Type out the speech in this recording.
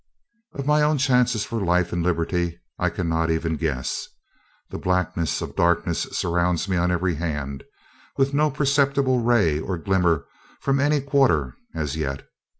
Of my own chances for life and liberty, I cannot even guess. The blackness of darkness surrounds me on every hand, with no perceptible ray or glimmer from any quarter, as yet.